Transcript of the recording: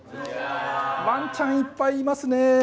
ワンちゃんいっぱいいますね。